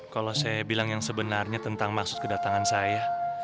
kalau saya bilang yang sebenarnya tentang maksud kedatangan saya